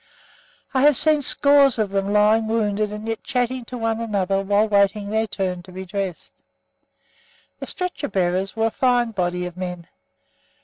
I have seen scores of them lying wounded and yet chatting one to another while waiting their turn to be dressed. The stretcher bearers were a fine body of men.